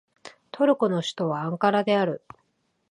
トルコの首都はアンカラである